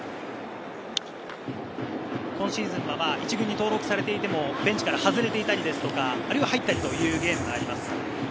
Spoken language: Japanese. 今シーズンは１軍に登録されていてもベンチから外れていたり、あるいは入ったりというゲームがあります。